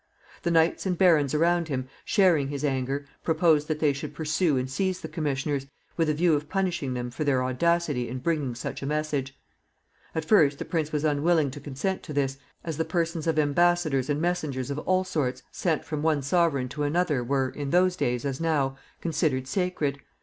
The knights and barons around him, sharing his anger, proposed that they should pursue and seize the commissioners, with a view of punishing them for their audacity in bringing such a message. At first the prince was unwilling to consent to this, as the persons of embassadors and messengers of all sorts sent from one sovereign to another were, in those days as now, considered sacred.